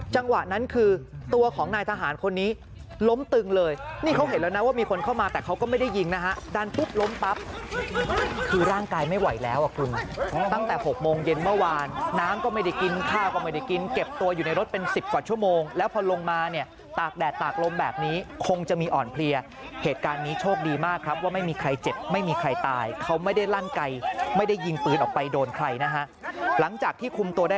จังหวะนั้นคือตัวของนายทหารคนนี้ล้มตึงเลยนี่เขาเห็นแล้วนะว่ามีคนเข้ามาแต่เขาก็ไม่ได้ยิงนะฮะดันปุ๊บล้มปั๊บคือร่างกายไม่ไหวแล้วอ่ะคุณตั้งแต่๖โมงเย็นเมื่อวานน้ำก็ไม่ได้กินข้าก็ไม่ได้กินเก็บตัวอยู่ในรถเป็น๑๐กว่าชั่วโมงแล้วพอลงมาเนี่ยตากแดดตากลมแบบนี้คงจะมีอ่อนเพลียเหตุการณ์นี้